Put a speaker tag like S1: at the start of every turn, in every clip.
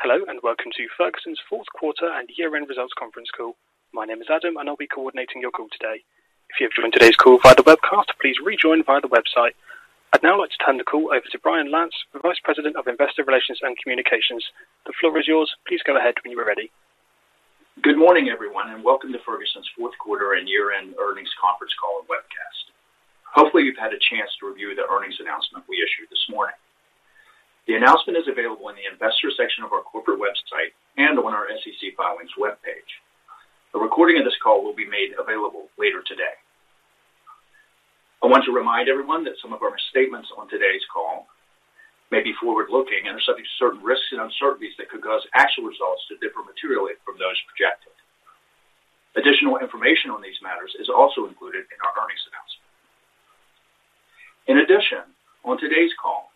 S1: Hello, and welcome to Ferguson's Q4 and year-end results Conference Call. My name is Adam, and I'll be coordinating your call today. If you have joined today's call via the webcast, please rejoin via the website. I'd now like to turn the call over to Brian Lantz, the Vice President of Investor Relations and Communications. The floor is yours. Please go ahead when you are ready.
S2: Good morning, everyone, and welcome to Ferguson's Q4 and year-end earnings Conference Call and webcast. Hopefully, you've had a chance to review the earnings announcement we issued this morning. The announcement is available in the investor section of our corporate website and on our SEC Filings webpage. A recording of this call will be made available later today. I want to remind everyone that some of our statements on today's call may be forward-looking and are subject to certain risks and uncertainties that could cause actual results to differ materially from those projected. Additional information on these matters is also included in our earnings announcement. In addition, on today's call,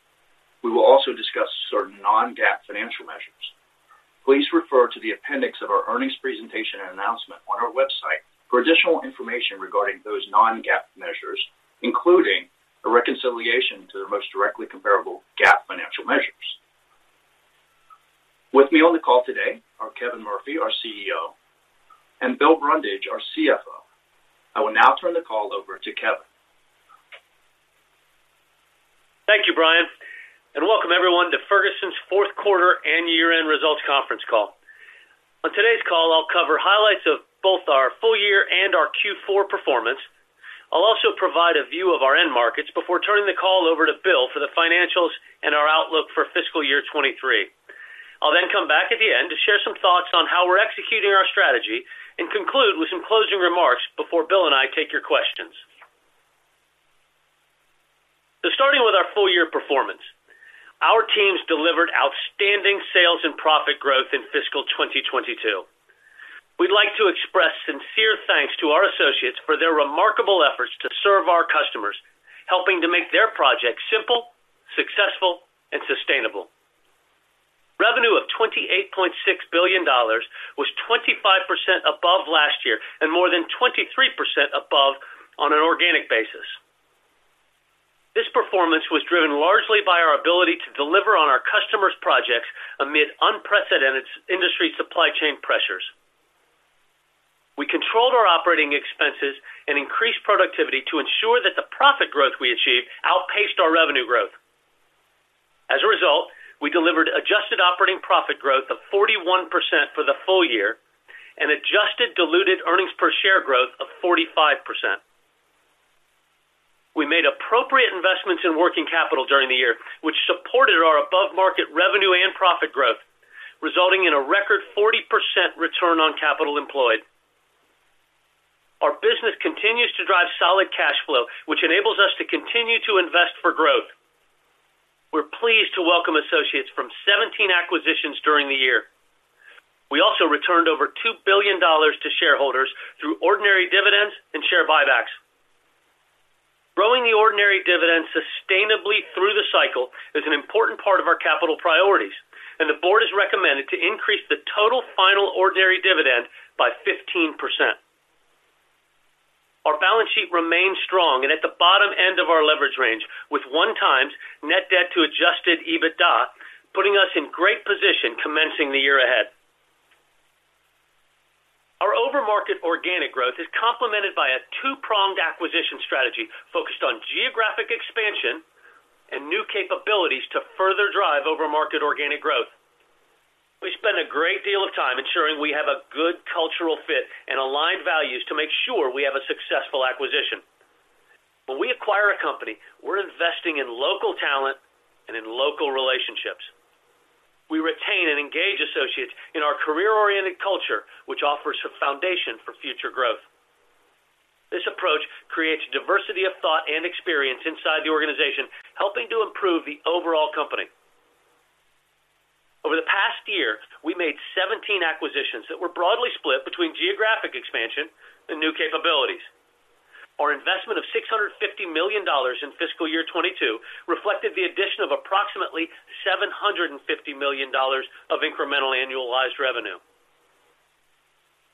S2: we will also discuss certain non-GAAP financial measures. Please refer to the appendix of our earnings presentation and announcement on our website for additional information regarding those non-GAAP measures, including a reconciliation to the most directly comparable GAAP financial measures. With me on the call today are Kevin Murphy, our CEO, and Bill Brundage, our CFO. I will now turn the call over to Kevin.
S3: Thank you, Brian, and welcome everyone to Ferguson's Q4 and year-end results Conference Call. On today's call, I'll cover highlights of both our full-year and our Q4 performance. I'll also provide a view of our end markets before turning the call over to Bill for the financials and our outlook for fiscal year 2023. I'll then come back at the end to share some thoughts on how we're executing our strategy and conclude with some closing remarks before Bill and I take your questions. Starting with our full-year performance, our teams delivered outstanding sales and profit growth in fiscal 2022. We'd like to express sincere thanks to our associates for their remarkable efforts to serve our customers, helping to make their projects simple, successful, and sustainable. Revenue of $28.6 billion was 25% above last-year and more than 23% above on an organic basis. This performance was driven largely by our ability to deliver on our customers' projects amid unprecedented industry supply chain pressures. We controlled our operating expenses and increased productivity to ensure that the profit growth we achieved outpaced our revenue growth. As a result, we delivered adjusted operating profit growth of 41% for the full-year and adjusted diluted earnings per share growth of 45%. We made appropriate investments in working capital during the year, which supported our above-market revenue and profit growth, resulting in a record 40% return on capital employed. Our business continues to drive solid cash flow, which enables us to continue to invest for growth. We're pleased to welcome associates from 17 acquisitions during the year. We also returned over $2 billion to shareholders through ordinary dividends and share buybacks. Growing the ordinary dividend sustainably through the cycle is an important part of our capital priorities, and the board has recommended to increase the total final ordinary dividend by 15%. Our balance sheet remains strong and at the bottom-end of our leverage range with 1x net debt to adjusted EBITDA, putting us in great position commencing the year ahead. Our overmarket organic growth is complemented by a two-pronged acquisition strategy focused on geographic expansion and new capabilities to further drive overmarket organic growth. We spend a great deal of time ensuring we have a good cultural fit and aligned values to make sure we have a successful acquisition. When we acquire a company, we're investing in local talent and in local relationships. We retain and engage associates in our career-oriented culture, which offers a foundation for future growth. This approach creates a diversity of thought and experience inside the organization, helping to improve the overall company. Over the past year, we made 17 acquisitions that were broadly split between geographic expansion and new capabilities. Our investment of $650 million in fiscal year 2022 reflected the addition of approximately $750 million of incremental annualized revenue.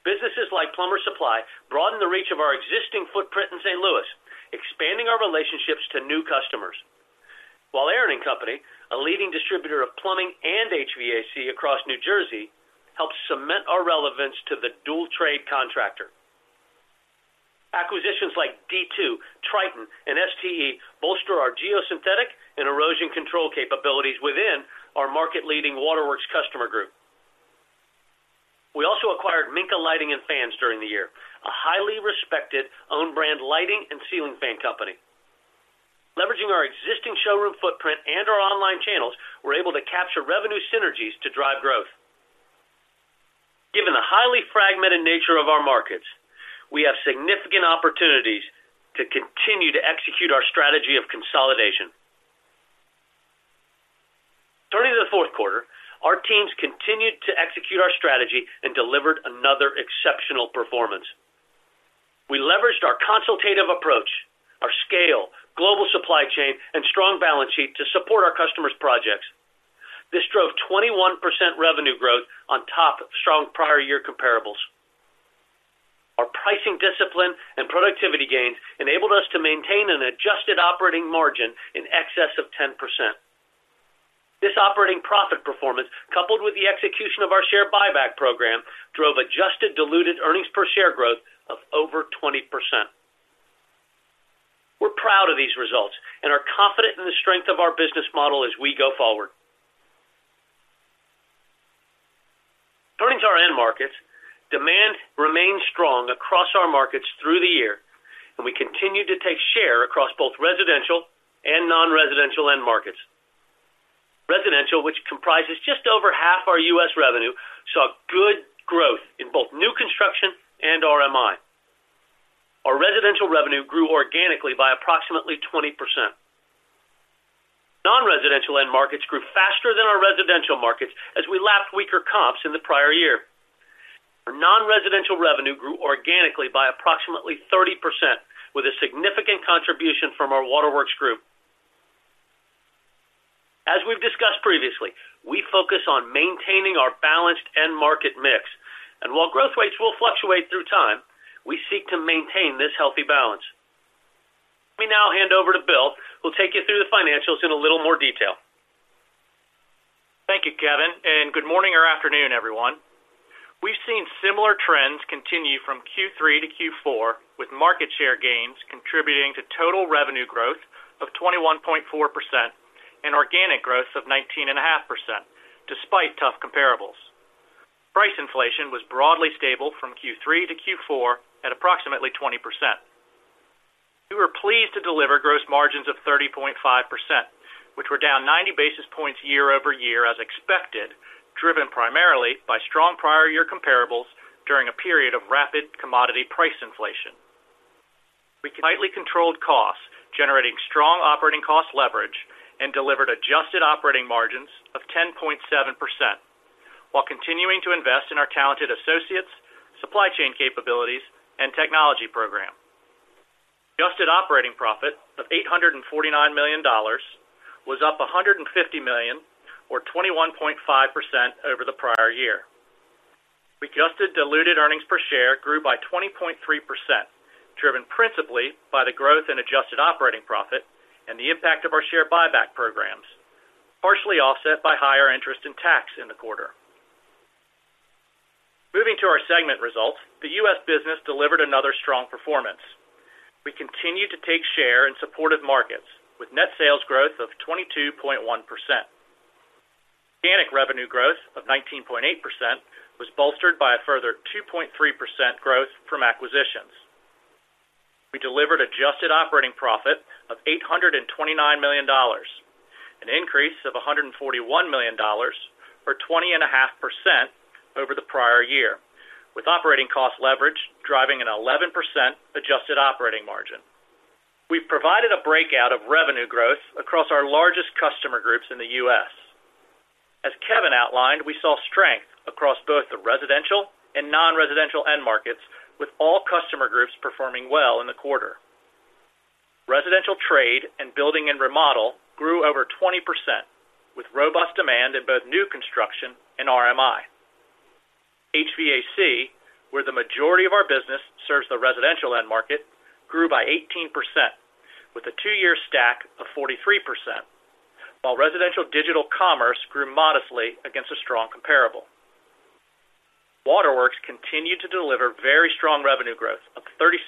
S3: Businesses like Plumbers Supply Company broaden the reach of our existing footprint in St. Louis, expanding our relationships to new customers. While Aaron & Company, a leading distributor of plumbing and HVAC across New Jersey, helps cement our relevance to the dual trade contractor. Acquisitions like D2, Triton, and STE bolster our geosynthetic and erosion control capabilities within our market-leading Waterworks customer group. We also acquired Minka Group during the year, a highly respected own-brand lighting and ceiling fan company. Leveraging our existing showroom footprint and our online channels, we're able to capture revenue synergies to drive growth. Given the highly fragmented nature of our markets, we have significant opportunities to continue to execute our strategy of consolidation. Turning to the Q4, our teams continued to execute our strategy and delivered another exceptional performance. We leveraged our consultative approach, our scale, global supply chain, and strong balance sheet to support our customers' projects. This drove 21% revenue growth off strong prior year comparables. Our pricing discipline and productivity gains enabled us to maintain an adjusted operating margin in excess of 10%. This operating profit performance, coupled with the execution of our share buyback program, drove adjusted diluted earnings per share growth of over 20%. We're proud of these results and are confident in the strength of our business model as we go forward. Turning to our end markets, demand remained strong across our markets through the year, and we continued to take share across both residential and non-residential end markets. Residential, which comprises just over half our U.S. revenue, saw good growth in both new construction and RMI. Our residential revenue grew organically by approximately 20%. Non-residential end markets grew faster than our residential markets as we lapped weaker comps in the prior year. Our non-residential revenue grew organically by approximately 30%, with a significant contribution from our Waterworks group. As we've discussed previously, we focus on maintaining our balanced end market mix, and while growth rates will fluctuate through time, we seek to maintain this healthy balance. Let me now hand over to Bill, who will take you through the financials in a little more detail.
S4: Thank you, Kevin, and good morning or afternoon, everyone. We've seen similar trends continue from Q3 to Q4, with market share gains contributing to total revenue growth of 21.4% and organic growth of 19.5%, despite tough comparables. Price inflation was broadly stable from Q3 to Q4 at approximately 20%. We were pleased to deliver gross margins of 30.5%, which were down 90 basis points year-over-year as expected, driven primarily by strong prior year comparables during a period of rapid commodity price inflation. We tightly controlled costs, generating strong operating cost leverage and delivered adjusted operating margins of 10.7% while continuing to invest in our talented associates, supply chain capabilities and technology program. Adjusted operating profit of $849 million was up $150 million, or 21.5% over the prior year. Adjusted diluted earnings per share grew by 20.3%, driven principally by the growth in adjusted operating profit and the impact of our share buyback programs, partially offset by higher interest and tax in the quarter. Moving to our segment results. The U.S. business delivered another strong performance. We continued to take share in supportive markets with net sales growth of 22.1%. Organic revenue growth of 19.8% was bolstered by a further 2.3% growth from acquisitions. We delivered adjusted operating profit of $829 million, an increase of $141 million, or 20.5% over the prior year, with operating cost leverage driving an 11% adjusted operating margin. We provided a breakout of revenue growth across our largest customer groups in the U.S. As Kevin outlined, we saw strength across both the residential and non-residential end markets, with all customer groups performing well in the quarter. Residential trade and building and remodel grew over 20%, with robust demand in both new construction and RMI. HVAC, where the majority of our business serves the residential end market, grew by 18%, with a two-year stack of 43%, while residential digital commerce grew modestly against a strong comparable. Waterworks continued to deliver very strong revenue growth of 36%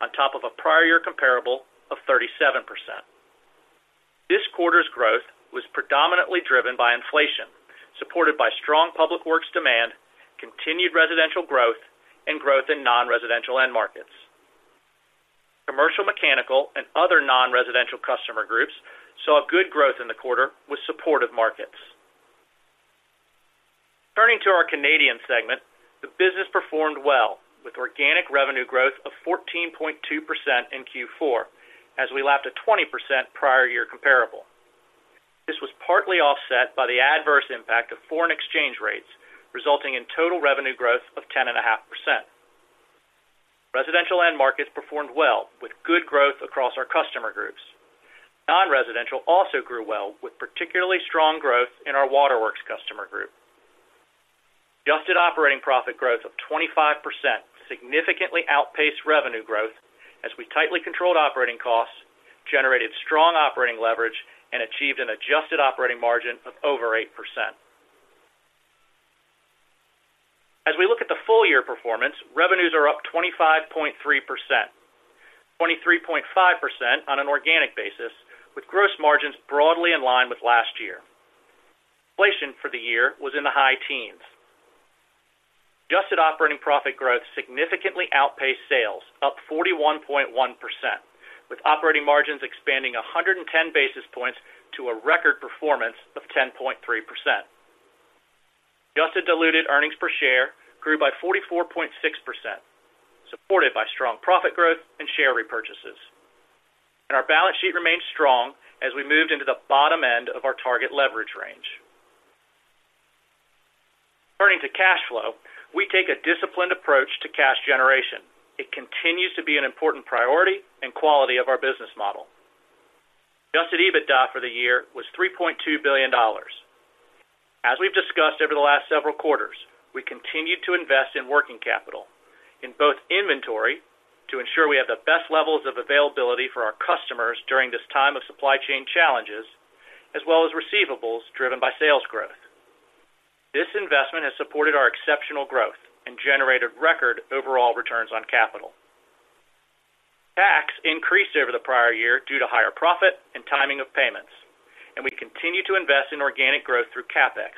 S4: on top of a prior year comparable of 37%. This quarter's growth was predominantly driven by inflation, supported by strong public works demand, continued residential growth, and growth in non-residential end markets. Commercial, mechanical, and other non-residential customer groups saw good growth in the quarter with supportive markets. Turning to our Canadian segment, the business performed well with organic revenue growth of 14.2% in Q4 as we lapped a 20% prior year comparable. This was partly offset by the adverse impact of foreign exchange rates, resulting in total revenue growth of 10.5%. Residential end markets performed well with good growth across our customer groups. Non-residential also grew well, with particularly strong growth in our Waterworks customer group. Adjusted operating profit growth of 25% significantly outpaced revenue growth as we tightly controlled operating costs, generated strong operating leverage, and achieved an adjusted operating margin of over 8%. As we look at the full-year performance, revenues are up 25.3%, 23.5% on an organic basis, with gross margins broadly in line with last-year. Inflation for the year was in the high-teens. Adjusted operating profit growth significantly outpaced sales, up 41.1%, with operating margins expanding a hundred and ten basis points to a record performance of 10.3%. Adjusted diluted earnings per share grew by 44.6%, supported by strong profit growth and share repurchases. Our balance sheet remained strong as we moved into the bottom-end of our target leverage range. Turning to cash flow, we take a disciplined approach to cash generation. It continues to be an important priority and quality of our business model. Adjusted EBITDA for the year was $3.2 billion. As we've discussed over the last several quarters, we continued to invest in working capital in both inventory to ensure we have the best levels of availability for our customers during this time of supply chain challenges, as well as receivables driven by sales growth. This investment has supported our exceptional growth and generated record overall returns on capital. Tax increased over the prior year due to higher profit and timing of payments, and we continue to invest in organic growth through CapEx,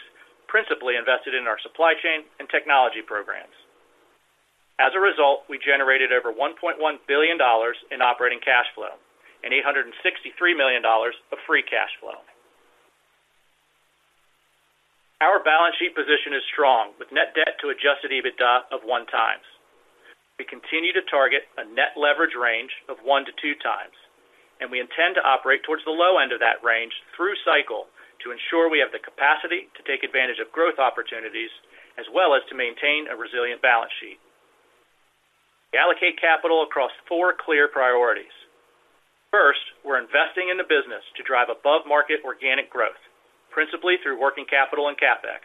S4: principally invested in our supply chain and technology programs. As a result, we generated over $1.1 billion in operating cash flow and $863 million of free cash flow. Our balance sheet position is strong, with net debt to adjusted EBITDA of 1x. We continue to target a net leverage range of 1x-2x, and we intend to operate towards the low-end of that range through cycle to ensure we have the capacity to take advantage of growth opportunities as well as to maintain a resilient balance sheet. We allocate capital across 4 clear priorities. First, we're investing in the business to drive above-market organic growth, principally through working capital and CapEx.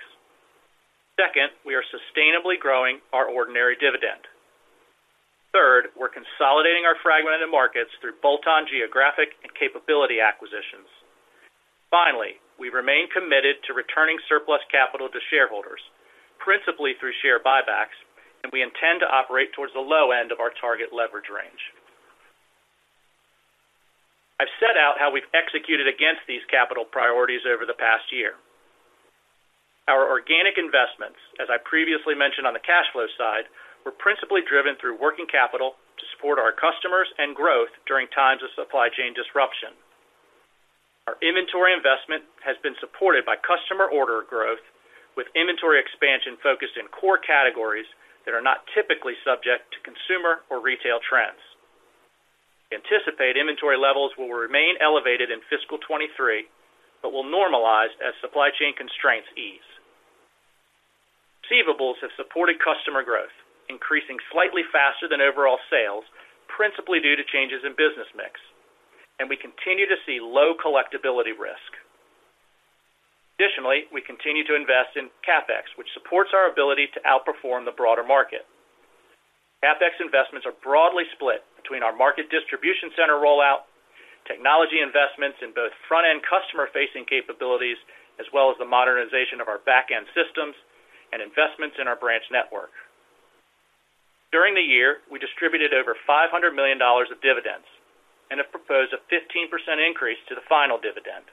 S4: Second, we are sustainably growing our ordinary dividend. Third, we're consolidating our fragmented markets through bolt-on geographic and capability acquisitions. Finally, we remain committed to returning surplus capital to shareholders, principally through share buybacks, and we intend to operate towards the low-end of our target leverage range. I've set out how we've executed against these capital priorities over the past year. Our organic investments, as I previously mentioned on the cash flow side, were principally driven through working capital to support our customers and growth during times of supply chain disruption. Our inventory investment has been supported by customer order growth, with inventory expansion focused in core categories that are not typically subject to consumer or retail trends. Anticipate inventory levels will remain elevated in fiscal 2023, but will normalize as supply chain constraints ease. Receivables have supported customer growth, increasing slightly faster than overall sales, principally due to changes in business mix, and we continue to see low collectibility-risk. Additionally, we continue to invest in CapEx, which supports our ability to outperform the broader market. CapEx investments are broadly split between our market distribution center rollout, technology investments in both front-end customer-facing capabilities, as well as the modernization of our back-end systems and investments in our branch network. During the year, we distributed over $500 million of dividends and have proposed a 15% increase to the final dividend.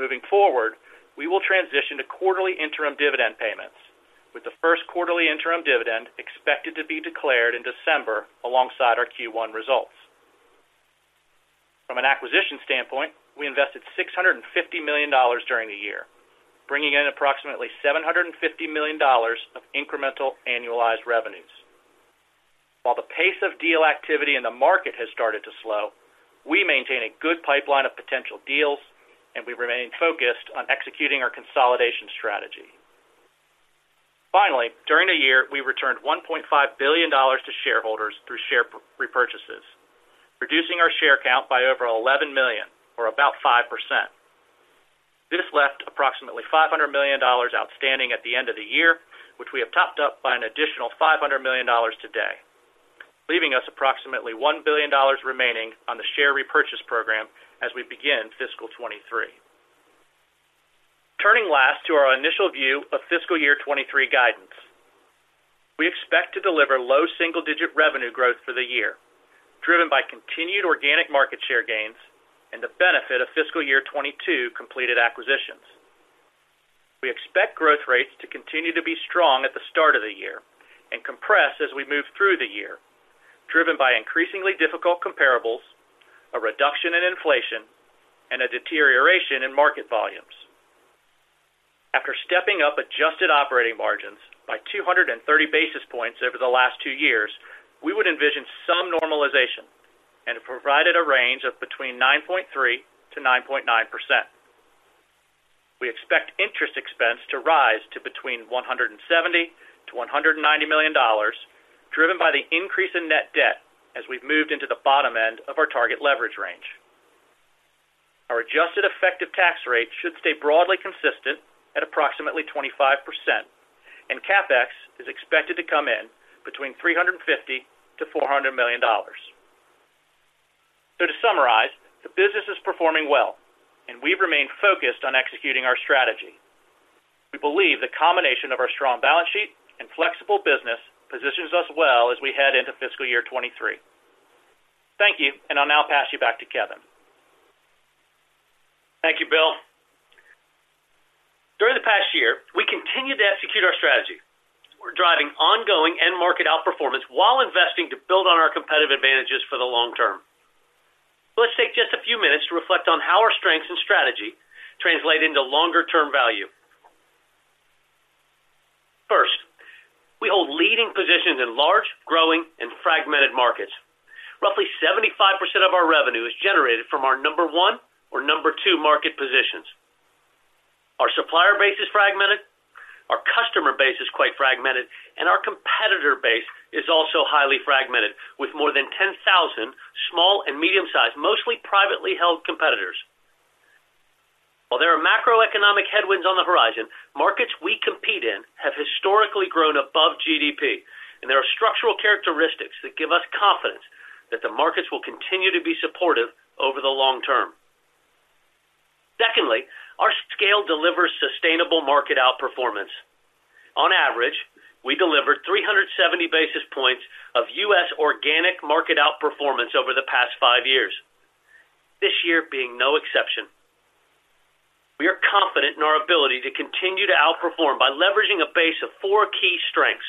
S4: Moving forward, we will transition to quarterly interim dividend payments, with the Q1 interim dividend expected to be declared in December alongside our Q1 results. From an acquisition standpoint, we invested $650 million during the year, bringing in approximately $750 million of incremental annualized revenues. While the pace of deal activity in the market has started to slow, we maintain a good pipeline of potential deals, and we remain focused on executing our consolidation strategy. Finally, during the year, we returned $1.5 billion to shareholders through share repurchases, reducing our share count by over 11 million or about 5%. This left approximately $500 million outstanding at the end of the year, which we have topped-up by an additional $500 million today, leaving us approximately $1 billion remaining on the share repurchase program as we begin fiscal 2023. Turning last to our initial view of fiscal year 2023 guidance. We expect to deliver low single-digit revenue growth for the year, driven by continued organic market share gains and the benefit of fiscal year 2022 completed acquisitions. We expect growth rates to continue to be strong at the start of the year and compress as we move through the year, driven by increasingly difficult comparables, a reduction in inflation, and a deterioration in market volumes. After stepping up adjusted operating margins by 230 basis points over the last two years, we would envision some normalization and have provided a range of between 9.3%-9.9%. We expect interest expense to rise to between $170 million-$190 million, driven by the increase in net debt as we've moved into the bottom-end of our target leverage range. Our adjusted effective tax rate should stay broadly consistent at approximately 25%, and CapEx is expected to come in between $350 million-$400 million. To summarize, the business is performing well, and we've remained focused on executing our strategy. We believe the combination of our strong balance sheet and flexible business positions us well as we head into fiscal year 2023. Thank you, and I'll now pass you back to Kevin.
S3: Thank you, Bill. During the past year, we continued to execute our strategy. We're driving ongoing end market outperformance while investing to build on our competitive advantages for the long-term. Let's take just a few minutes to reflect on how our strengths and strategy translate into longer-term value. First, we hold leading positions in large, growing, and fragmented markets. Roughly 75% of our revenue is generated from our number one or number two market positions. Our base is fragmented, our customer base is quite fragmented, and our competitor base is also highly fragmented, with more than 10,000 small and medium-sized, mostly privately held competitors. While there are macroeconomic headwinds on the horizon, markets we compete in have historically grown above GDP, and there are structural characteristics that give us confidence that the markets will continue to be supportive over the long-term. Secondly, our scale delivers sustainable market outperformance. On average, we delivered 370 basis points of U.S. organic market outperformance over the past 5 years. This year being no exception. We are confident in our ability to continue to outperform by leveraging a base of 4 key strengths.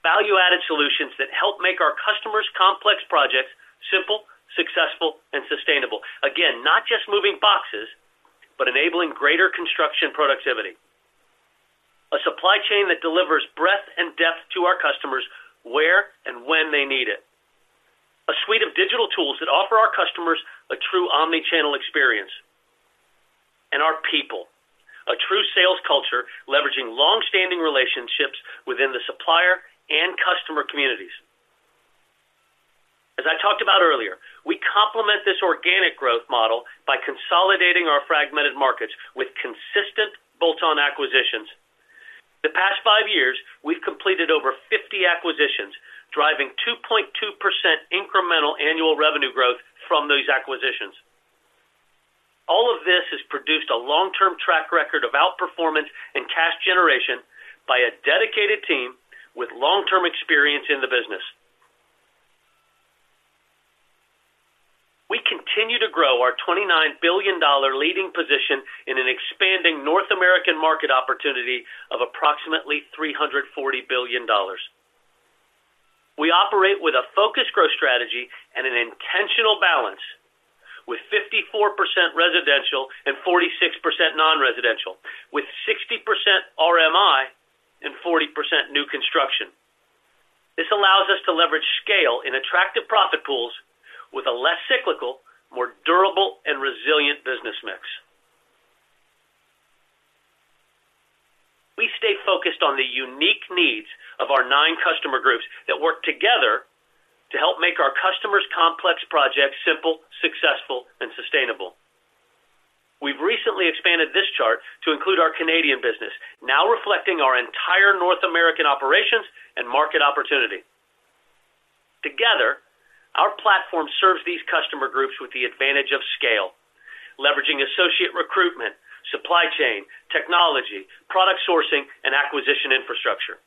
S3: Value-added solutions that help make our customers' complex projects simple, successful, and sustainable. Again, not just moving boxes, but enabling greater construction productivity. A supply chain that delivers breadth and depth to our customers where and when they need it. A suite of digital tools that offer our customers a true omni-channel experience. Our people, a true sales culture leveraging long-standing relationships within the supplier and customer communities. As I talked about earlier, we complement this organic growth model by consolidating our fragmented markets with consistent bolt-on acquisitions. The past 5 years, we've completed over 50 acquisitions, driving 2.2% incremental annual revenue growth from those acquisitions. All of this has produced a long-term track record of outperformance and cash generation by a dedicated team with long-term experience in the business. We continue to grow our $29 billion leading position in an expanding North American market opportunity of approximately $340 billion. We operate with a focused growth strategy and an intentional balance with 54% residential and 46% non-residential, with 60% RMI and 40% new construction. This allows us to leverage scale in attractive profit pools with a less cyclical, more durable, and resilient business mix. We stay focused on the unique needs of our 9 customer groups that work together to help make our customers' complex projects simple, successful, and sustainable. We've recently expanded this chart to include our Canadian business, now reflecting our entire North American operations and market opportunity. Together, our platform serves these customer groups with the advantage of scale, leveraging associate recruitment, supply chain, technology, product sourcing, and acquisition infrastructure.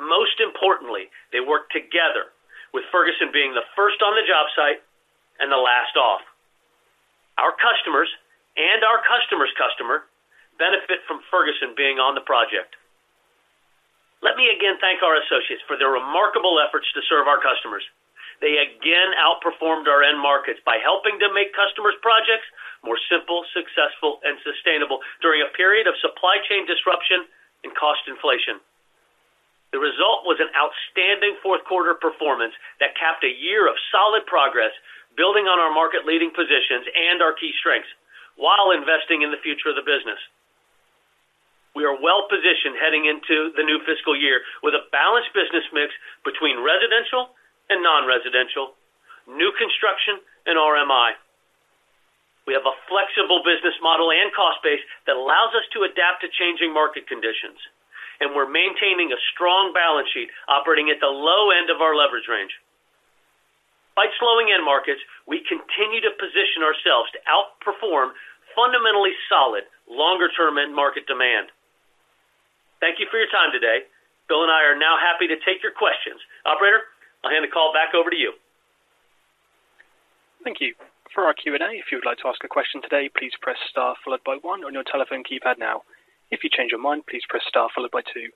S3: Most importantly, they work together with Ferguson being the first on the job site and the last off. Our customers and our customer's customer benefit from Ferguson being on the project. Let me again thank our associates for their remarkable efforts to serve our customers. They again outperformed our end markets by helping to make customers' projects more simple, successful, and sustainable during a period of supply chain disruption and cost inflation. The result was an outstanding Q4 performance that capped a year of solid progress building on our market-leading positions and our key strengths while investing in the future of the business. We are well-positioned heading into the new fiscal year with a balanced business mix between residential and non-residential, new construction and RMI. We have a flexible business model and cost base that allows us to adapt to changing market conditions, and we're maintaining a strong balance sheet operating at the low-end of our leverage range. Despite slowing end markets, we continue to position ourselves to outperform fundamentally solid longer-term end market demand. Thank you for your time today. Bill and I are now happy to take your questions. Operator, I'll hand the call back over to you.
S1: Thank you. For our Q&A, if you would like to ask a question today, please press star followed by one on your telephone keypad now. If you change your mind, please press star followed by two.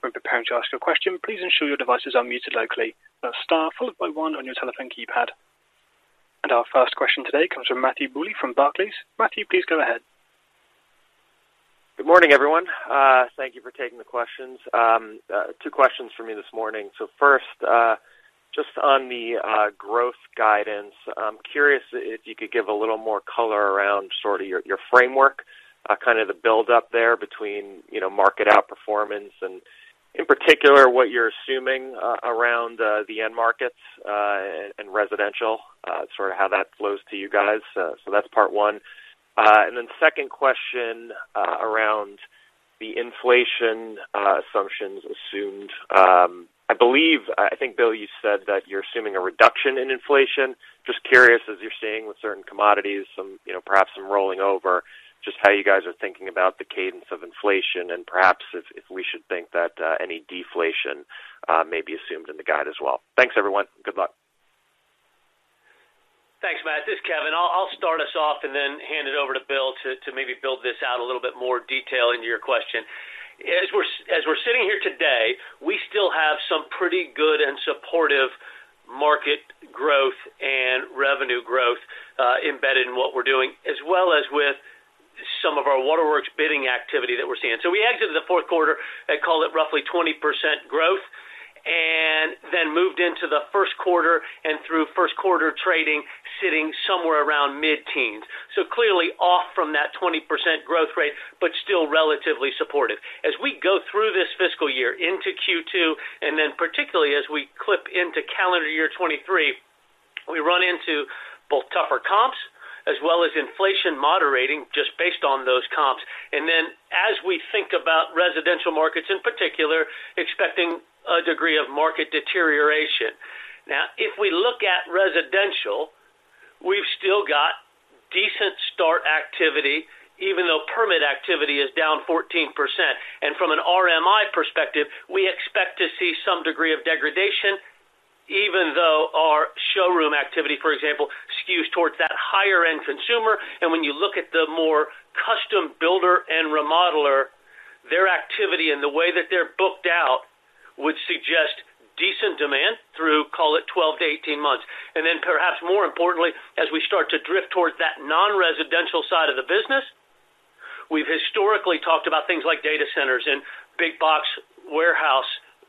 S1: When preparing to ask your question, please ensure your devices are muted locally. That's star followed by one on your telephone keypad. Our first question today comes from Matthew Bouley from Barclays. Matthew, please go ahead.
S5: Good morning, everyone. Thank you for taking the questions. Two questions for me this morning. First, just on the growth guidance, I'm curious if you could give a little more color around sort of your framework, kind of the build up there between, you know, market outperformance and in particular, what you're assuming around the end markets and residential, sort of how that flows to you guys. That's part one. Then second question, around the inflation assumptions. I think, Bill, you said that you're assuming a reduction in inflation. Just curious, as you're seeing with certain commodities, some, you know, perhaps some rolling over, just how you guys are thinking about the cadence of inflation and perhaps if we should think that any deflation may be assumed in the guide as well? Thanks, everyone. Good luck.
S3: Thanks, Matt. This is Kevin. I'll start us off and then hand it over to Bill to maybe build this out a little bit more detail into your question. As we're sitting here today, we still have some pretty good and supportive market growth and revenue growth embedded in what we're doing, as well as with some of our Waterworks bidding activity that we're seeing. We exited the Q4 at, call it, roughly 20% growth. Then moved into the Q1 and through Q1 trading, sitting somewhere around mid-teens. Clearly off from that 20% growth rate, but still relatively supportive. As we go through this fiscal year into Q2, and then particularly as we clip into calendar year-2023, we run into both tougher comps as well as inflation moderating just based on those comps. As we think about residential markets, in particular, expecting a degree of market deterioration. If we look at residential, we've still got decent start activity, even though permit activity is down 14%. From an RMI perspective, we expect to see some degree of degradation, even though our showroom activity, for example, skews towards that higher-end consumer. When you look at the more custom builder and remodeler, their activity and the way that they're booked out would suggest decent demand through, call it, 12 to 18 months. Perhaps more importantly, as we start to drift towards that non-residential side of the business, we've historically talked about things like data centers and big box warehouse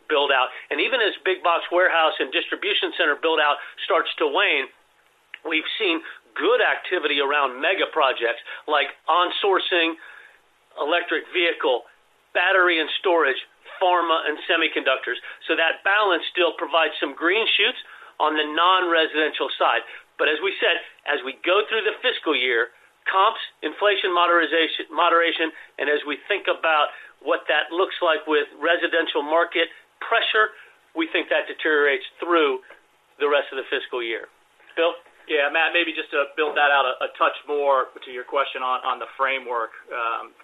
S3: build out. Even as big box warehouse and distribution center build out starts to wane, we've seen good activity around mega projects like onshoring electric vehicle, battery and storage, pharma and semiconductors. That balance still provides some green shoots on the non-residential side. As we said, as we go through the fiscal year, comps, inflation moderation, and as we think about what that looks like with residential market pressure, we think that deteriorates through the rest of the fiscal year. Bill?
S4: Yeah, Matt, maybe just to build that out a touch more to your question on the framework.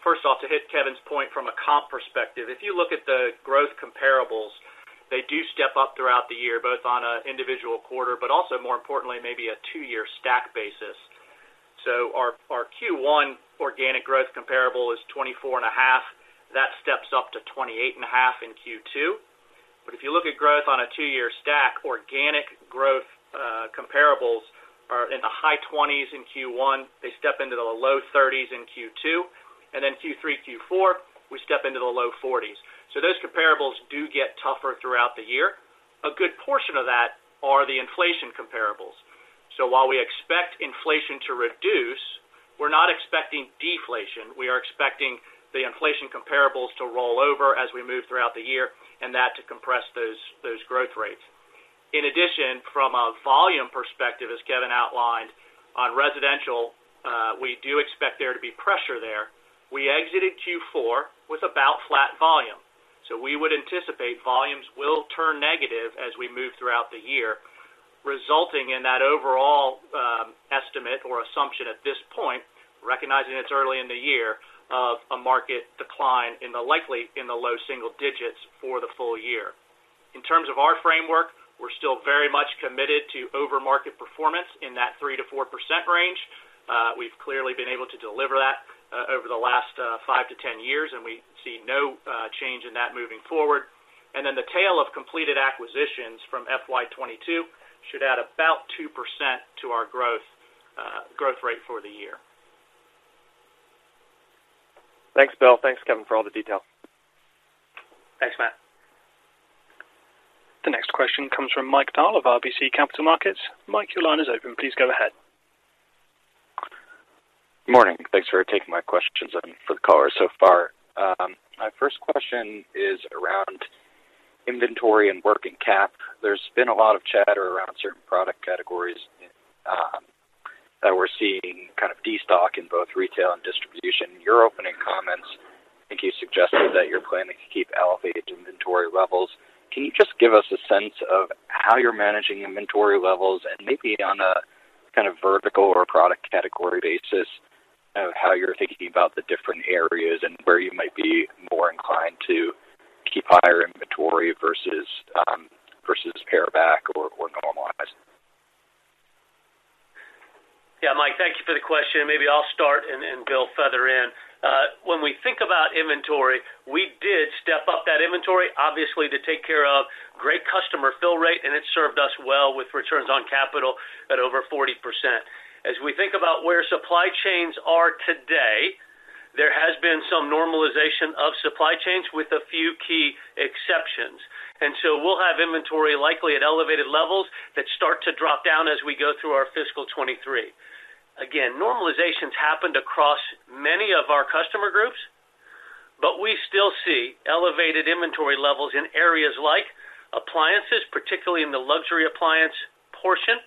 S4: First off, to hit Kevin's point from a comp perspective, if you look at the growth comparables, they do step up throughout the year, both on an individual quarter, but also more importantly, maybe a two-year stack basis. Our Q1 organic growth comparable is 24.5%. That steps up to 28.5% in Q2. If you look at growth on a two-year stack, organic growth comparables are in the high-20s in Q1. They step into the low-30s in Q2, and then Q3, Q4, we step into the low-40s. Those comparables do get tougher throughout the year. A good portion of that are the inflation comparables. While we expect inflation to reduce, we're not expecting deflation. We are expecting the inflation comparables to roll over as we move throughout the year and that to compress those growth rates. In addition, from a volume perspective, as Kevin outlined, on residential, we do expect there to be pressure there. We exited Q4 with about flat volume, so we would anticipate volumes will turn negative as we move throughout the year, resulting in that overall estimate or assumption at this point, recognizing it's early in the year, of a market decline likely in the low single-digits for the full-year. In terms of our framework, we're still very much committed to over market performance in that 3%-4% range. We've clearly been able to deliver that over the last 5-10 years, and we see no change in that moving forward. The tail of completed acquisitions from FY 22 should add about 2% to our growth rate for the year.
S5: Thanks, Bill. Thanks, Kevin, for all the detail.
S4: Thanks, Matt.
S1: The next question comes from Mike Dahl of RBC Capital Markets. Mike, your line is open. Please go ahead.
S6: Morning. Thanks for taking my questions and for the callers so far. My first question is around inventory and working cap. There's been a lot of chatter around certain product categories that we're seeing kind of destock in both retail and distribution. Your opening comments, I think you suggested that you're planning to keep elevated inventory levels. Can you just give us a sense of how you're managing inventory levels and maybe on a kind of vertical or product category basis of how you're thinking about the different areas and where you might be more inclined to keep higher inventory versus pare back or normalize?
S3: Yeah, Mike, thank you for the question. Maybe I'll start and Bill further in. When we think about inventory, we did step up that inventory, obviously, to take care of great customer fill rate, and it served us well with returns on capital at over 40%. As we think about where supply chains are today, there has been some normalization of supply chains with a few key exceptions. We'll have inventory likely at elevated levels that start to drop down as we go through our fiscal 2023. Again, normalizations happened across many of our customer groups, but we still see elevated inventory levels in areas like appliances, particularly in the luxury appliance portion,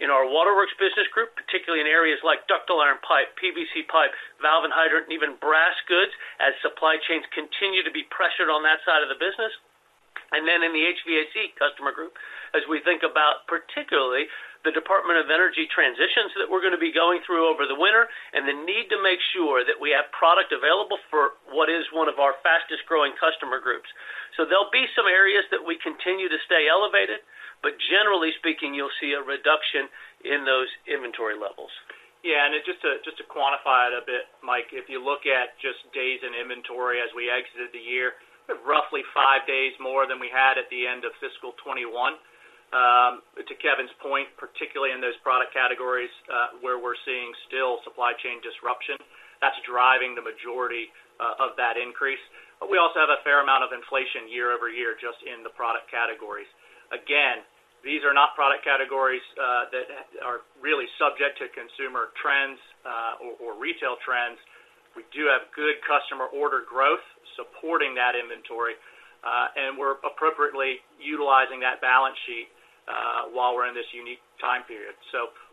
S3: in our Waterworks business group, particularly in areas like ductile iron pipe, PVC pipe, valve and hydrant, even brass goods, as supply chains continue to be pressured on that side of the business. In the HVAC customer group, as we think about particularly the Department of Energy transitions that we're gonna be going through over the winter and the need to make sure that we have product available for what is one of our fastest growing customer groups. There'll be some areas that we continue to stay elevated, but generally speaking, you'll see a reduction in those inventory levels.
S4: Yeah. Just to quantify it a bit, Mike, if you look at just days in inventory as we exited the year, roughly five days more than we had at the end of fiscal 2021. To Kevin's point, particularly in those product categories, where we're seeing still supply chain disruption, that's driving the majority of that increase. We also have a fair amount of inflation year-over-year just in the product categories. Again, these are not product categories that are really subject to consumer trends, or retail trends. We do have good customer order growth supporting that inventory, and we're appropriately utilizing that balance sheet, while we're in this unique time period.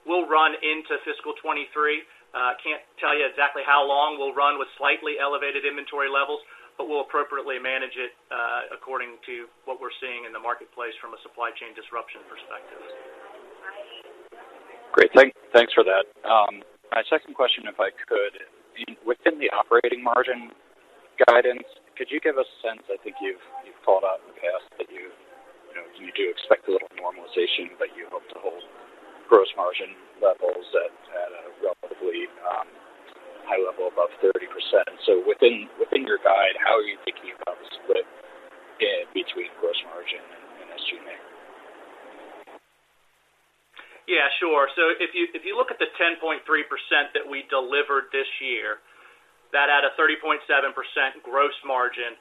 S4: We'll run into fiscal 2023. Can't tell you exactly how long we'll run with slightly elevated inventory levels, but we'll appropriately manage it, according to what we're seeing in the marketplace from a supply chain disruption perspective.
S6: Great. Thanks for that. My second question, if I could. Within the operating margin guidance, could you give a sense, I think you've called out in the past that you know you do expect a little normalization, but you hope to hold gross margin levels at a relatively high-level above 30%. Within your guide, how are you thinking about the split in between gross margin and SG&A?
S4: Yeah, sure. If you look at the 10.3% that we delivered this year, that had a 30.7% gross margin.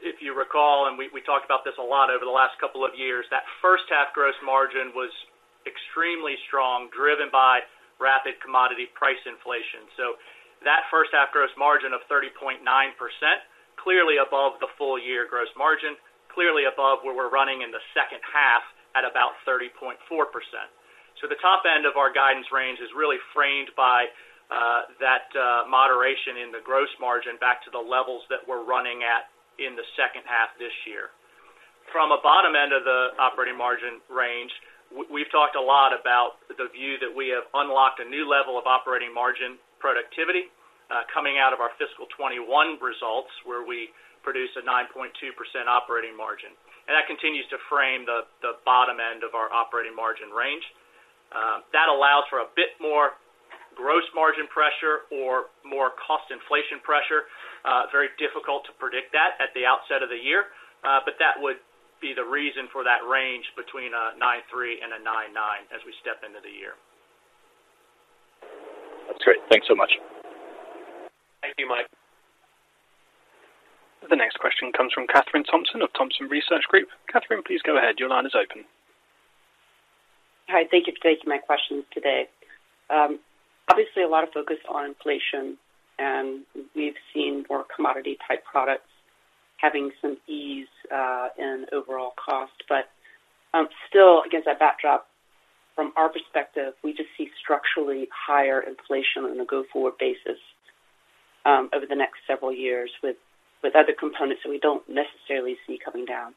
S4: If you recall, we talked about this a lot over the last couple of years, that first half gross margin was extremely strong, driven by rapid commodity price inflation. That first half gross margin of 30.9%, clearly above the full-year gross margin, clearly above where we're running in the second half at about 30.4%. The top-end of our guidance range is really framed by that moderation in the gross margin back to the levels that we're running at in the second half this year. From a bottom-end of the operating margin range, we've talked a lot about the view that we have unlocked a new level of operating margin productivity, coming out of our fiscal 2021 results, where we produced a 9.2% operating margin. That continues to frame the bottom-end of our operating margin range. That allows for a bit more gross margin pressure or more cost inflation pressure. Very difficult to predict that at the outset of the year. That would be the reason for that range between 9.3% and 9.9% as we step into the year.
S6: That's great. Thanks so much.
S4: Thank you, Mike.
S1: The next question comes from Kathryn Thompson of Thompson Research Group. Kathryn, please go ahead. Your line is open.
S7: Hi, thank you for taking my questions today. Obviously a lot of focus on inflation, and we've seen more commodity-type products having some ease in overall cost. Still against that backdrop, from our perspective, we just see structurally higher inflation on a go-forward basis, over the next several years with other components that we don't necessarily see coming down.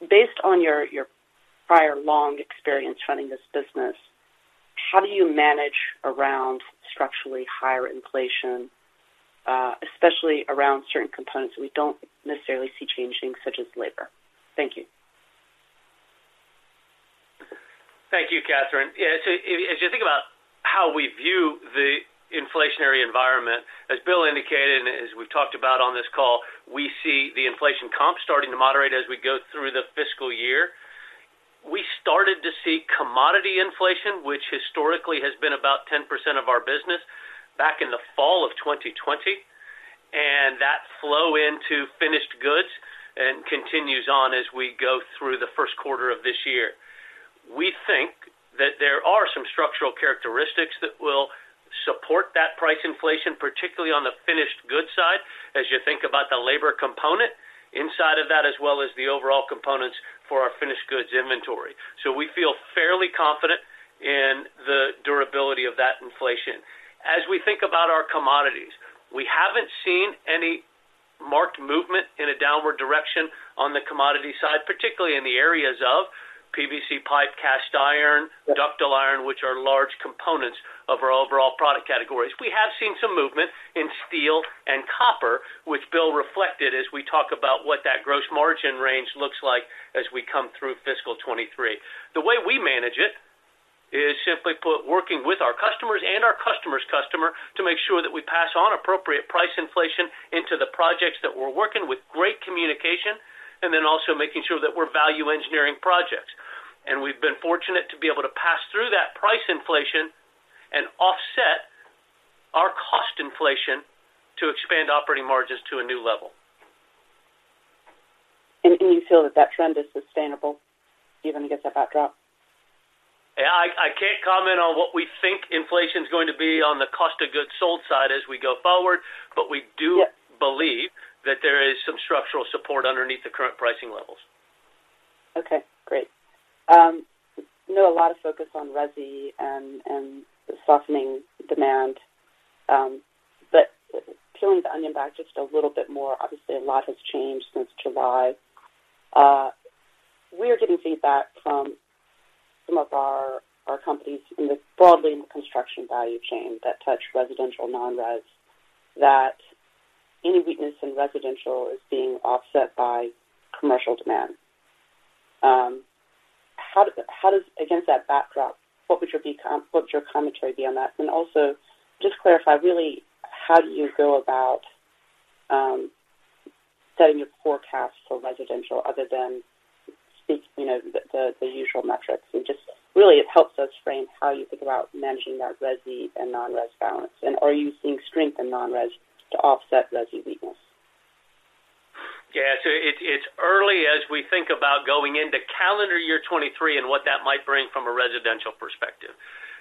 S7: Based on your prior long experience running this business, how do you manage around structurally higher inflation, especially around certain components we don't necessarily see changing, such as labor? Thank you.
S4: Thank you, Kathryn. Yeah, so if you think about how we view the inflationary environment, as Bill indicated, and as we've talked about on this call, we see the inflation comp starting to moderate as we go through the fiscal year. We started to see commodity inflation, which historically has been about 10% of our business back in the fall of 2020, and that flow into finished goods and continues on as we go through the Q1 of this year. We think that there are some structural characteristics that will support that price inflation, particularly on the finished goods side as you think about the labor component inside of that, as well as the overall components for our finished goods inventory. We feel fairly confident in the durability of that inflation. As we think about our commodities, we haven't seen any marked movement in a downward direction on the commodity side, particularly in the areas of PVC pipe, cast iron, ductile iron, which are large components of our overall product categories. We have seen some movement in steel and copper, which Bill reflected as we talk about what that gross margin range looks like as we come through fiscal 2023. The way we manage it is, simply put, working with our customers and our customer's customer to make sure that we pass on appropriate price inflation into the projects that we're working with great communication, and then also making sure that we're value engineering projects. We've been fortunate to be able to pass through that price inflation and offset our cost inflation to expand operating margins to a new level.
S7: Do you feel that trend is sustainable even against that backdrop?
S4: Yeah, I can't comment on what we think inflation is going to be on the cost of goods sold side as we go forward, but we do-
S7: Yeah.
S4: Believe that there is some structural support underneath the current pricing levels.
S7: Okay, great. I know a lot of focus on resi and the softening demand. Peeling the onion back just a little bit more, obviously, a lot has changed since July. We're getting feedback from some of our companies broadly in the construction value chain that touch residential, non-res, that any weakness in residential is being offset by commercial demand. Against that backdrop, what would your commentary be on that? Also, just to clarify, really, how do you go about setting your forecast for residential other than, you know, the usual metrics. Just really, it helps us frame how you think about managing that resi and non-res balance. Are you seeing strength in non-res to offset resi weakness?
S3: Yeah. It's early as we think about going into calendar year 2023 and what that might bring from a residential perspective.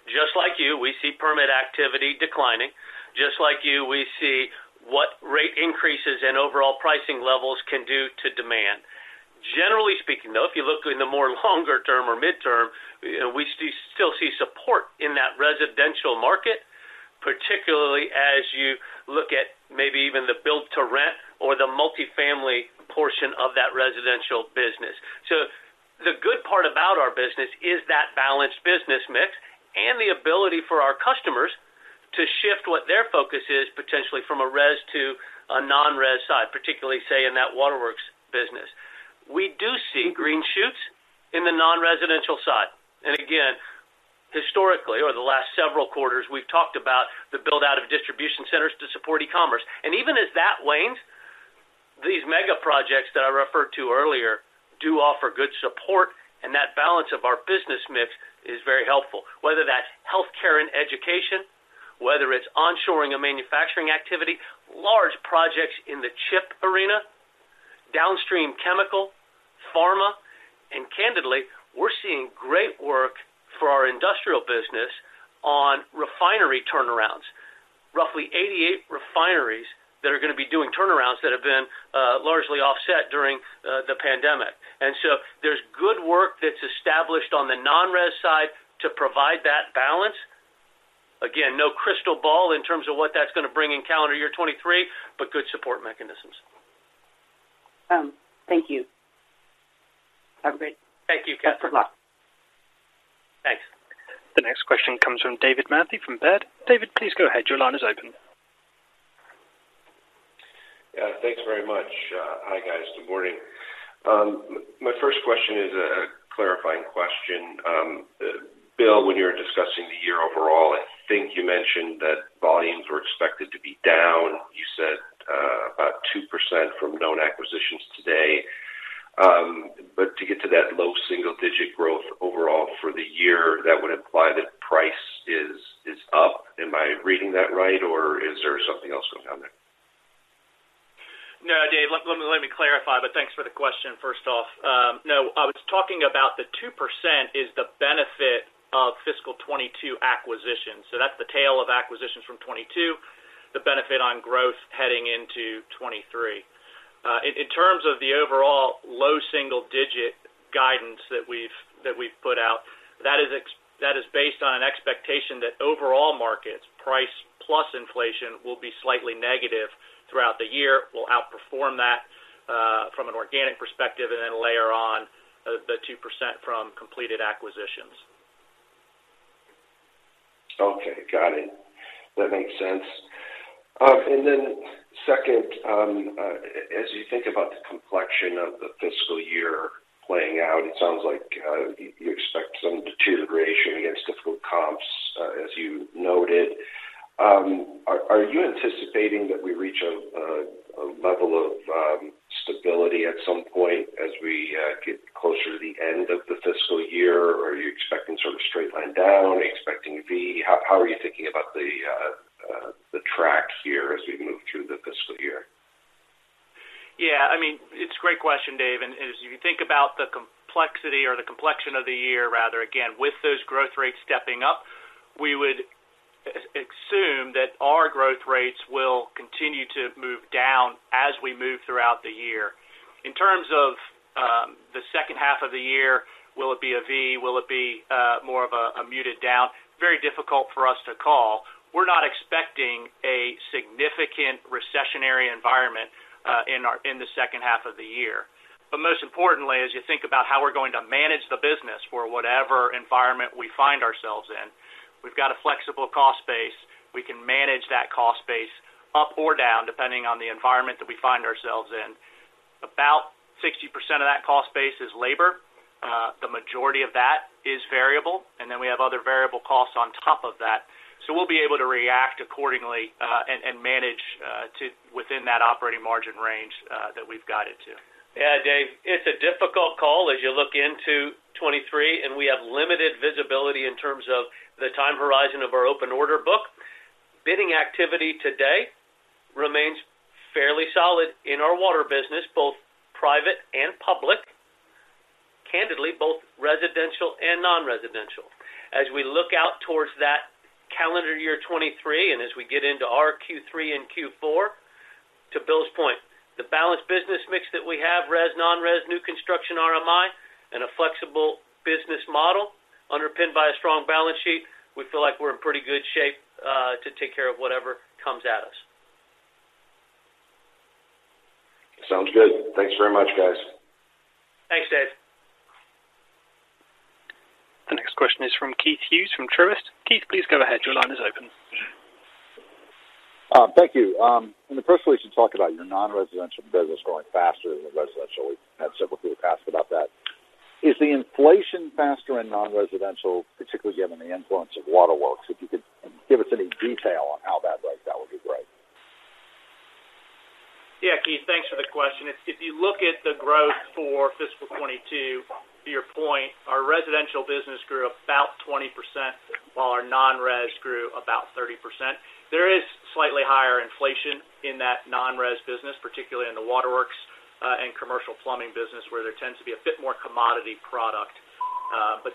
S3: Just like you, we see permit activity declining. Just like you, we see what rate increases and overall pricing levels can do to demand. Generally speaking, though, if you look in the more longer-term or mid-term, you know, we still see support in that residential market, particularly as you look at maybe even the build to rent or the multifamily portion of that residential business. The good part about our business is that balanced business mix and the ability for our customers to shift what their focus is potentially from a res to a non-res side, particularly say in that Waterworks business. We do see green shoots in the non-residential side. Again, historically, over the last several quarters, we've talked about the build out of distribution centers to support e-commerce. Even as that wanes, these mega projects that I referred to earlier do offer good support, and that balance of our business mix is very helpful, whether that's healthcare and education, whether it's onshoring a manufacturing activity, large projects in the chip arena, downstream chemical, pharma. Candidly, we're seeing great work for our industrial business on refinery turnarounds. Roughly 88 refineries that are gonna be doing turnarounds that have been largely offset during the pandemic. There's good work that's established on the non-res side to provide that balance. Again, no crystal ball in terms of what that's gonna bring in calendar year 2023, but good support mechanisms.
S7: Thank you.
S3: Thank you, Kathryn.
S7: Good luck.
S3: Thanks.
S1: The next question comes from David Manthey from Baird. David, please go ahead. Your line is open.
S8: Yeah. Thanks very much. Hi, guys. Good morning. My first question is a clarifying question. Bill, when you were discussing the year overall, I think you mentioned that volumes were expected to be down, you said about 2% from known acquisitions today. But to get to that low single-digit growth overall for the year, that would imply that price is up. Am I reading that right or is there something else going on there?
S4: No, Dave. Let me clarify, but thanks for the question first off. No, I was talking about the 2% is the benefit of fiscal 2022 acquisitions. That's the tail of acquisitions from 2022, the benefit on growth heading into 2023. In terms of the overall low single-digit guidance that we've put out, that is based on an expectation that overall markets, price plus inflation will be slightly negative throughout the year. We'll outperform that, from an organic perspective and then layer on, the 2% from completed acquisitions.
S8: Okay. Got it. That makes sense. Second, as you think about the complexion of the fiscal year playing out, it sounds like you expect some deterioration against difficult comps, as you noted. Are you anticipating that we reach a level of stability at some point as we get closer to the end of the fiscal year? Are you expecting sort of straight line down? Are you expecting a V? How are you thinking about the track here as we move through the fiscal year?
S4: Yeah. I mean, it's a great question, David. As you think about the complexity or the complexion of the year rather, again, with those growth rates stepping up, we would assume that our growth rates will continue to move down as we move throughout the year. In terms of the second half of the year, will it be a V? Will it be more of a muted down? Very difficult for us to call. We're not expecting a significant recessionary environment in the second half of the year. Most importantly, as you think about how we're going to manage the business for whatever environment we find ourselves in, we've got a flexible cost base. We can manage that cost base up or down depending on the environment that we find ourselves in. About 60% of that cost base is labor. The majority of that is variable, and then we have other variable costs on top of that. We'll be able to react accordingly, and manage within that operating margin range that we've guided to.
S3: Yeah, David. It's a difficult call as you look into 2023, and we have limited visibility in terms of the time horizon of our open order book. Bidding activity today remains fairly solid in our water business, both private and public, candidly both residential and non-residential. As we look out towards that calendar year 2023 and as we get into our Q3 and Q4, to Bill's point, the balanced business mix that we have, res, non-res, new construction RMI, and a flexible business model underpinned by a strong balance sheet, we feel like we're in pretty good shape to take care of whatever comes at us.
S8: Sounds good. Thanks very much, guys.
S3: Thanks, David.
S1: The next question is from Keith Hughes from Truist. Keith, please go ahead. Your line is open.
S9: Thank you. In the first release, you talked about your non-residential business growing faster than the residential. We've had several people ask about that. Is the inflation faster in non-residential, particularly given the influence of Waterworks? If you could give us any detail on how that breaks down would be great.
S4: Yeah, Keith, thanks for the question. If you look at the growth for fiscal 2022, to your point, our residential business grew about 20%, while our non-res grew about 30%. There is slightly higher-inflation in that non-res business, particularly in the Waterworks and commercial plumbing business, where there tends to be a bit more commodity product.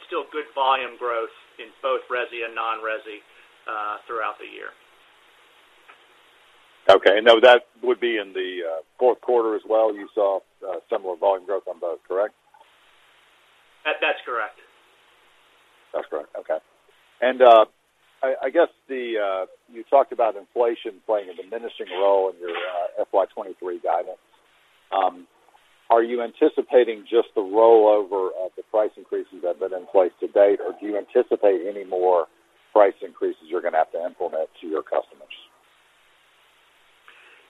S4: Still good volume growth in both resi and non-resi throughout the year.
S9: Okay. Now that would be in the Q4 as well, you saw similar volume growth on both, correct?
S4: That's correct.
S9: That's correct. Okay. I guess you talked about inflation playing a diminishing role in your FY 2023 guidance. Are you anticipating just the rollover of the price increases that have been in place to date? Or do you anticipate any more price increases you're gonna have to implement to your customers?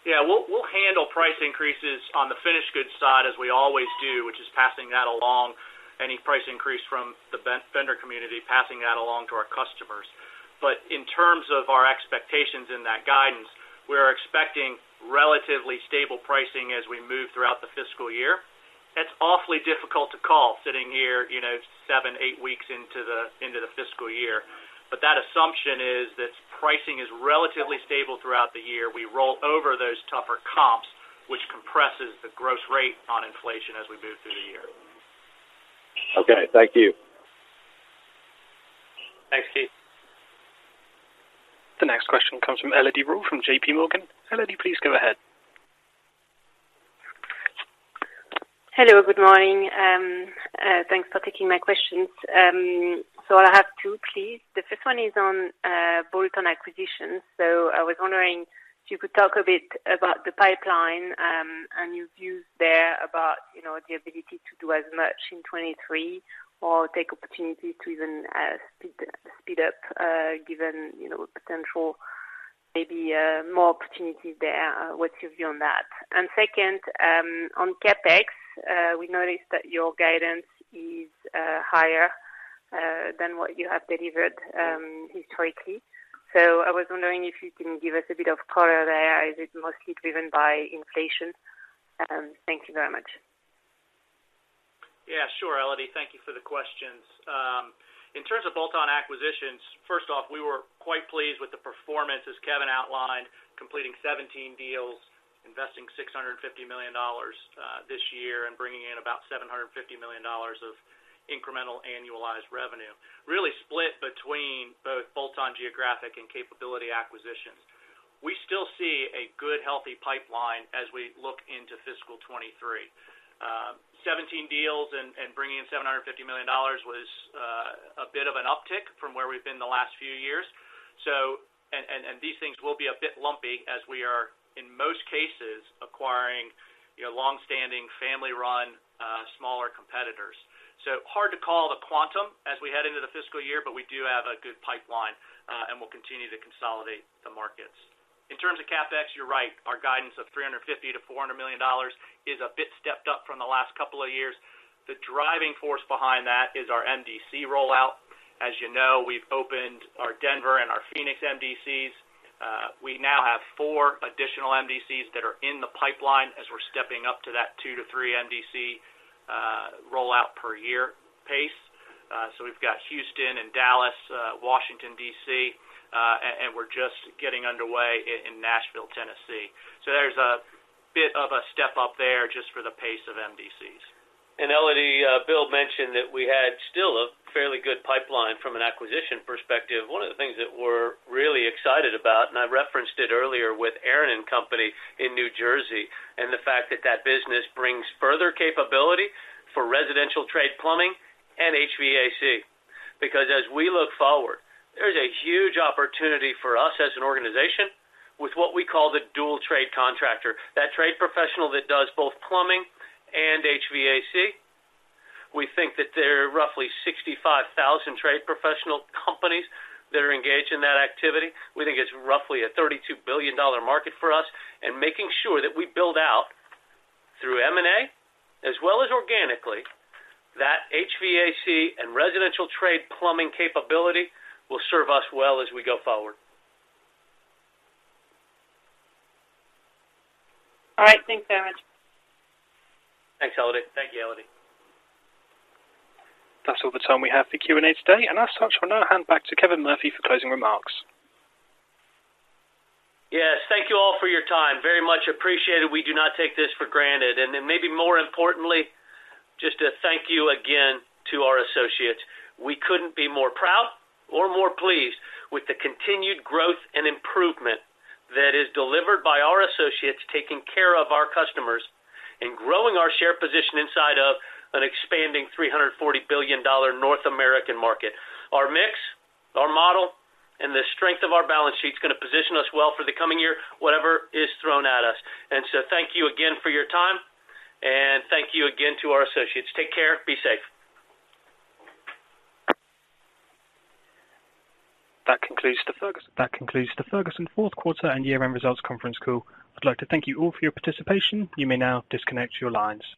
S4: Yeah. We'll handle price increases on the finished goods side, as we always do, which is passing that along, any price increase from the vendor community, passing that along to our customers. In terms of our expectations in that guidance, we're expecting relatively stable pricing as we move throughout the fiscal year. It's awfully difficult to call sitting here, you know, 7, 8 weeks into the fiscal year. That assumption is that pricing is relatively stable throughout the year. We roll over those tougher comps, which compresses the gross rate on inflation as we move through the year.
S9: Okay, thank you.
S4: Thanks, Keith.
S1: The next question comes from Elodie Rall from JPMorgan. Elodie, please go ahead.
S10: Hello, good morning. Thanks for taking my questions. I have two, please. The first one is on bolt-on acquisitions. I was wondering if you could talk a bit about the pipeline, and your views there about, you know, the ability to do as much in 2023 or take opportunity to even speed up, given, you know, potential, maybe more opportunities there. What's your view on that? Second, on CapEx, we noticed that your guidance is higher than what you have delivered historically. I was wondering if you can give us a bit of color there. Is it mostly driven by inflation? Thank you very much.
S4: Yeah, sure, Elodie. Thank you for the questions. In terms of bolt-on acquisitions, first off, we were quite pleased with the performance, as Kevin outlined, completing 17 deals, investing $650 million this year and bringing in about $750 million of incremental annualized revenue, really split between both bolt-on geographic and capability acquisitions. We still see a good, healthy pipeline as we look into fiscal 2023. 17 deals and bringing in $750 million was a bit of an uptick from where we've been the last few years. These things will be a bit lumpy as we are, in most cases, acquiring, you know, longstanding family-run smaller competitors. Hard to call the quantum as we head into the fiscal year, but we do have a good pipeline, and we'll continue to consolidate the markets. In terms of CapEx, you're right. Our guidance of $350-$400 million is a bit stepped up from the last couple of years. The driving force behind that is our MDC rollout. As you know, we've opened our Denver and our Phoenix MDCs. We now have four additional MDCs that are in the pipeline as we're stepping up to that 2-3 MDC rollout per year pace. We've got Houston and Dallas, Washington, D.C., and we're just getting underway in Nashville, Tennessee. There's a bit of a step up there just for the pace of MDCs. Elodie, Bill mentioned that we had still a fairly good pipeline from an acquisition perspective. One of the things that we're really excited about, and I referenced it earlier with Aaron & Company in New Jersey, and the fact that that business brings further capability for residential trade plumbing and HVAC. Because as we look forward, there's a huge opportunity for us as an organization with what we call the dual trade contractor, that trade professional that does both plumbing and HVAC. We think that there are roughly 65,000 trade professional companies that are engaged in that activity. We think it's roughly a $32 billion market for us, and making sure that we build out through M&A as well as organically, that HVAC and residential trade plumbing capability will serve us well as we go forward.
S10: All right. Thanks very much.
S4: Thanks, Elodie.
S1: Thank you, Elodie. That's all the time we have for Q&A today. As such, I'll now hand back to Kevin Murphy for closing remarks.
S3: Yes. Thank you all for your time. Very much appreciated. We do not take this for granted. Maybe more importantly, just a thank you again to our associates. We couldn't be more proud or more pleased with the continued growth and improvement that is delivered by our associates taking care of our customers and growing our share position inside of an expanding $340 billion North American market. Our mix, our model, and the strength of our balance sheet is gonna position us well for the coming year, whatever is thrown at us. Thank you again for your time, and thank you again to our associates. Take care. Be safe.
S1: That concludes the Ferguson Q4 and year-end results Conference Call. I'd like to thank you all for your participation. You may now disconnect your lines.